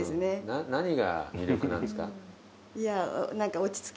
何が魅力なんですか？